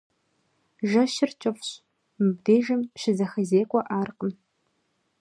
Жэщыр кӏыфӏщ, мыбдежым щызэхэзекӏуэӏаркъым.